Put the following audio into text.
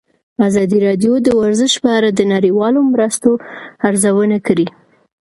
ازادي راډیو د ورزش په اړه د نړیوالو مرستو ارزونه کړې.